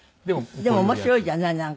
でも面白いじゃないなんか。